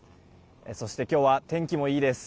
そして今日は天気もいいです。